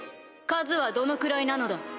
数はどのくらいなのだ？